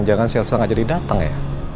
jangan si elsa gak jadi dateng ya